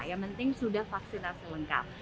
yang penting sudah vaksinasi lengkap